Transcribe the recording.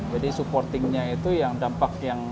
jadi supportingnya itu yang dampak yang